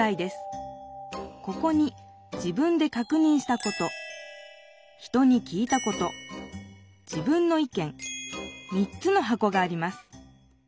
ここに「自分で確認したこと」「人に聞いたこと」「自分の意見」３つのはこがあります